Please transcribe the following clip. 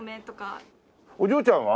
お嬢ちゃんは？